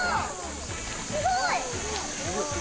すごい！